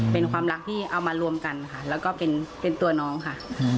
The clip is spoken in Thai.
เป็นความรักที่เอามารวมกันค่ะแล้วก็เป็นตัวน้องค่ะ